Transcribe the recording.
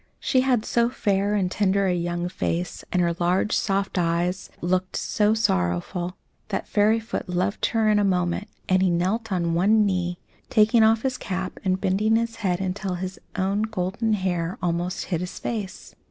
She had so fair and tender a young face, and her large, soft eyes, yet looked so sorrowful, that Fairyfoot loved her in a moment, and he knelt on one knee, taking off his cap and bending his head until his own golden hair almost hid his face.